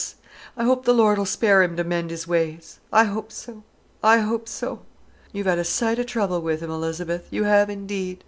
I hope the Lord'll spare him to mend his ways. I hope so, I hope so. You've had a sight o' trouble with him, Elizabeth, you have indeed.